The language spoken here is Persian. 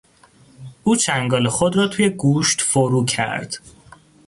او چنگال خود را توی گوشت فرو کرد.